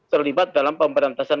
terlibat dalam pemberantasan